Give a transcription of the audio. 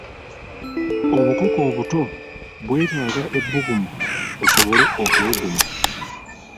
Obukoko obuto bwetaaga ebbugumu busobole okubuguma.